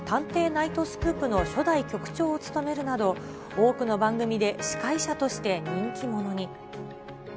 ナイトスクープの初代局長を務めるなど、多くの番組で司会者として人気者に。